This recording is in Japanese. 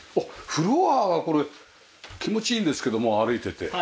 フロアがこれ気持ちいいですけども歩いてて。